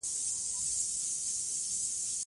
او دمشاعرې په باب تبصرې کول